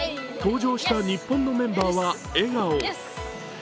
登場した日本のメンバーは笑顔。